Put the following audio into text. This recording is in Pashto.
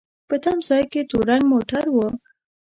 په تم ځای کې تور رنګ موټر و.